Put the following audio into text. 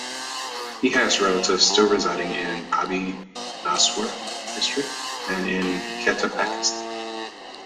He has relatives still residing in Pabbi Nowshera District, and in Quetta, Pakistan.